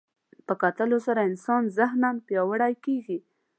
په کتلو سره انسان ذهناً پیاوړی کېږي